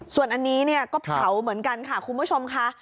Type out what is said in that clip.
ส่วนนี้ก็เผาเหมือนกันค่ะคุณผู้ชมค่ะ